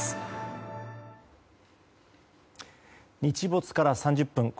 日没から３０分。